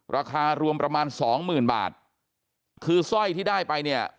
ราคารวมประมาณสองหมื่นบาทคือสร้อยที่ได้ไปเนี่ย